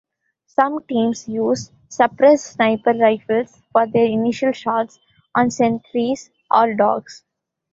Some teams use suppressed sniper rifles for their initial shots on sentries or dogs.